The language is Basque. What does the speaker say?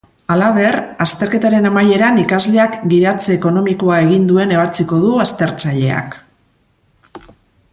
Halaber, azterketaren amaieran ikasleak gidatze ekonomikoa egin duen ebatziko du aztertzaileak.